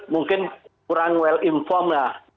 mungkin kurang well informed lah